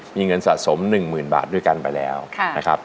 มีเงินสะสม๑๐๐๐บาทด้วยกันไปแล้วนะครับ